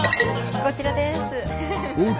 こちらです。